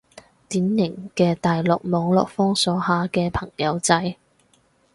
典型嘅大陸網絡封鎖下嘅朋友仔